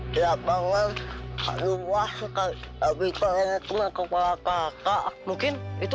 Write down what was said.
hai siap banget aduh wasyukat lebih banyak kepala kakak mungkin itu